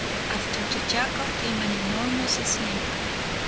After the jackal came an enormous snake.